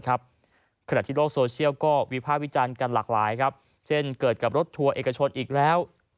ขณะที่โลกโซเชียลก็วิภาควิจารณ์กันหลากหลายครับเช่นเกิดกับรถทัวร์เอกชนอีกแล้ว